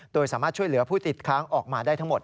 โดยสามารถช่วยเหลือผู้ติดค้างออกมาได้ทั้งหมด